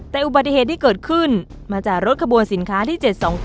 แต่อุบัติเหตุที่เกิดขึ้นมาจากรถขบวนสินค้าที่๗๒๙